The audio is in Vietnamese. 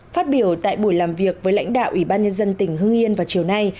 phát biểu tại buổi làm việc với lãnh đạo ủy ban nhân dân tỉnh hưng yên vào chiều nay